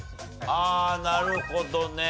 ああなるほどね。